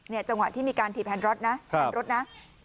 เนี่ยจังหวะที่มีการถีบแห่นรถนะแห่นรถนะ